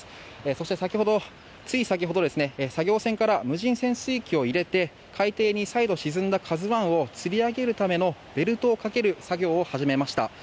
そして、つい先ほど作業船から無人潜水機を入れて海底に再度沈んだ「ＫＡＺＵ１」をつり上げるためのベルトをかける作業を始めました。